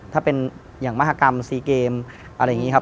ถ้าเป็นอย่างมหากรรมซีเกมอะไรอย่างนี้ครับ